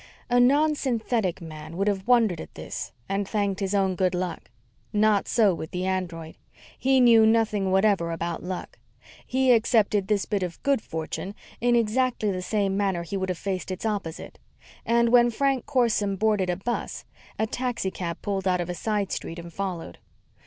A nonsynthetic man would have wondered at this and thanked his own good luck. Not so with the android. He knew nothing whatever about luck. He accepted this bit of good fortune in exactly the same manner he would have faced its opposite, and when Frank Corson boarded a bus, a taxicab pulled out of a side street and followed.